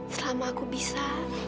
selama aku bisa